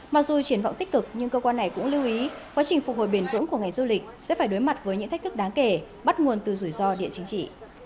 mặc dù triển vọng tích cực nhưng cơ quan này cũng lưu ý quá trình phục hồi bền vững của ngành du lịch sẽ phải đối mặt với những thách thức đáng kể bắt nguồn từ rủi ro địa chính trị